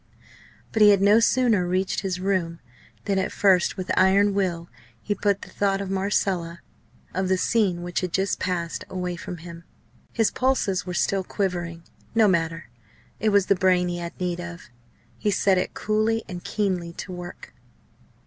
But he had no sooner reached his room than, at first with iron will, he put the thought of Marcella, of the scene which had just passed, away from him. His pulses were still quivering. No matter! It was the brain he had need of. He set it coolly and keenly to work.